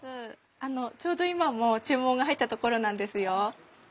あのちょうど今も注文が入ったところなんですよ。